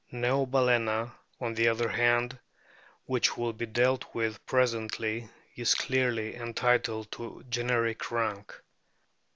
Neobalcena, on the other hand, which will be dealt with presently, is clearly entitled to generic rank.